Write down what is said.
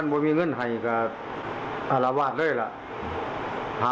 เงินร่อย๑๒ร่อย๓ร่อย